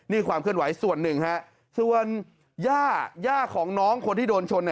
นี่ความเคลื่อนไหวส่วนหนึ่งฮะส่วนย่าย่าของน้องคนที่โดนชน